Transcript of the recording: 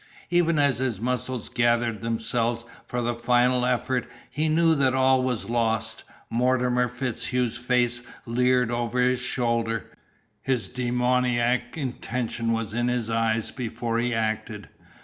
Even as his muscles gathered themselves for the final effort he knew that all was lost. Mortimer FitzHugh's face leered over his shoulder, his demoniac intention was in his eyes before he acted.